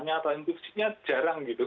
atau induksinya jarang gitu